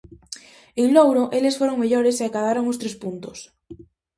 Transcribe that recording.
En Louro, eles foron mellores e acadaron os tres puntos.